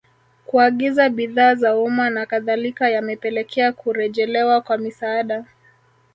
Kuagiza bidhaa za umma na kadhalika yamepelekea kurejelewa kwa misaada